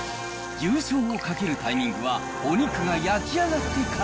牛醤をかけるタイミングは、お肉が焼き上がってから。